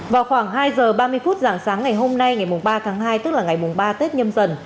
vào khoảng hai giờ ba mươi phút dạng sáng ngày hôm nay ngày ba tháng hai tức là ngày ba tết nhâm dần